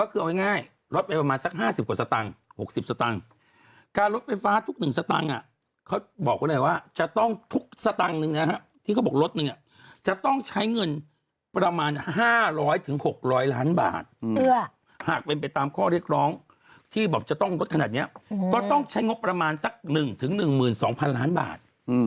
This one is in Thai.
เพราะตอนนี้เราเกือบจ่ายหน่วยละเกือบ๕บาท